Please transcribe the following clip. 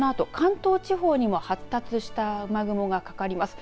そのあと、関東地方にも発達した雨雲がかかります。